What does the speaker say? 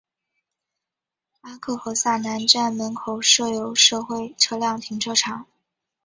阿克和瑟南站门口设有社会车辆停车场。